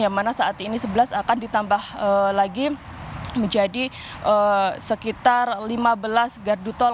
yang mana saat ini sebelas akan ditambah lagi menjadi sekitar lima belas gardu tol